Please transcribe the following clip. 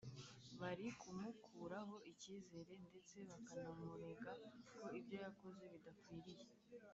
bari kumukuraho icyizere ndetse bakanamurega ko ibyo yakoze bidakwiriye